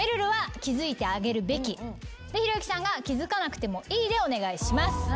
ひろゆきさんが「気付かなくてもいい」でお願いします。